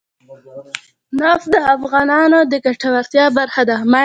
نفت د افغانانو د ګټورتیا برخه ده.